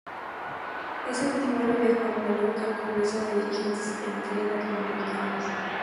Ese último año viajó a Nueva York a un Congreso de Dirigentes Estudiantiles latinoamericanos.